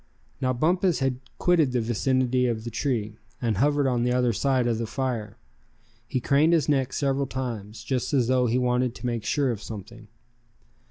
Now Bumpus had quitted the vicinity of the tree, and hovered on the other side of the fire. He craned his neck several times, just as though he wanted to make sure of something.